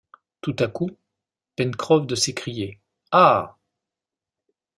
Tout à coup, Pencroff de s’écrier: « Ah